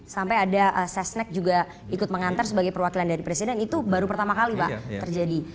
sampai ada sesnek juga ikut mengantar sebagai perwakilan dari presiden itu baru pertama kali pak terjadi